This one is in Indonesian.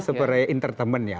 sebagai entertainment ya